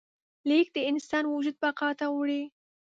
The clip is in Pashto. لیک د انسان وجود بقا ته وړي.